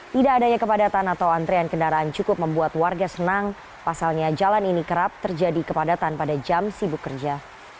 tidak adanya kepadatan atau antrean kendaraan cukup membuat warga senang pasalnya jalan ini kerap terjadi kepadatan pada jam sibuk kerja